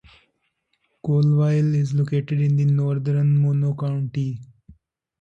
Coleville is located in northern Mono County.